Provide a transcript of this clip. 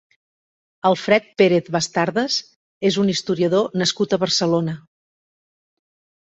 Alfred Pérez-Bastardas és un historiador nascut a Barcelona.